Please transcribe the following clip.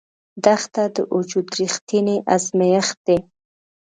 دښته د وجود رښتینی ازمېښت دی.